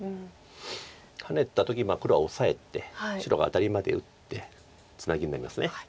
ハネた時黒はオサえて白がアタリまで打ってツナギになります。